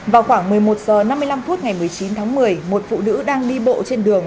vào khoảng một mươi một h năm mươi năm phút ngày một mươi chín tháng một mươi một phụ nữ đang đi bộ trên đường